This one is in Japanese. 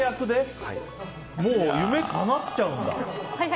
もう夢かなっちゃうんだ！